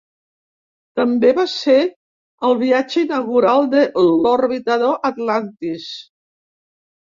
També va ser el viatge inaugural de l'orbitador "Atlantis".